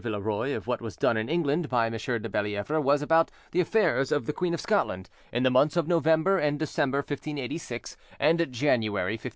Villeroy of what was done in England by M. de Bellievre about the affairs of the Queen of Scotland, in the months of November and December 1586 and January 1587.